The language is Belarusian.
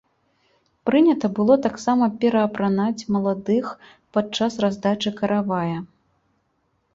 Прынята было таксама пераапранаць маладых падчас раздачы каравая.